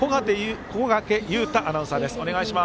小掛雄太アナウンサーです。